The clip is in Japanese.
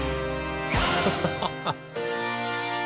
ハハハハ！